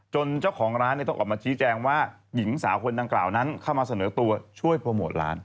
เจ้าของร้านต้องออกมาชี้แจงว่าหญิงสาวคนดังกล่าวนั้นเข้ามาเสนอตัวช่วยโปรโมทร้าน